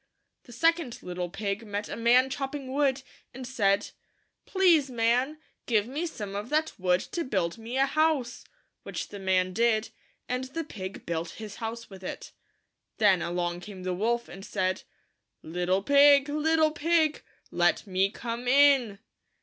The second little pig met a man chopping wood, and said, " Please, man, give me some of that wood to build me a house which the man did, and the pig built his house with it. Then along came the wolf, and said, — "Little Pig, Little Pig, Let Me Come In!"